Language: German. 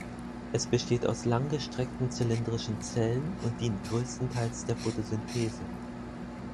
Es besteht aus langgestreckten, zylindrischen Zellen und dient größtenteils der Photosynthese.